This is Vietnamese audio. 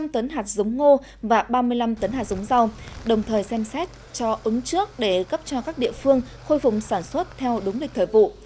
một trăm linh tấn hạt giống ngô và ba mươi năm tấn hạt giống rau đồng thời xem xét cho ứng trước để cấp cho các địa phương khôi phục sản xuất theo đúng lịch thời vụ